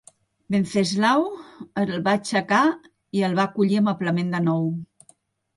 Venceslau el va aixecar i el va acollir amablement de nou.